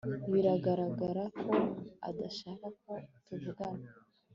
Biragaragara ko adashaka ko tuvugana